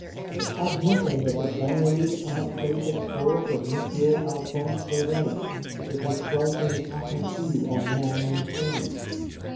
It had nothing of the varied, anecdotic talk of M. x\lphonse Daudet with his striking aperfus on men and things.